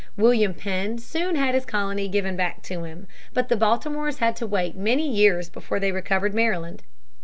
William Penn soon had his colony given back to him; but the Baltimores had to wait many years before they recovered Maryland.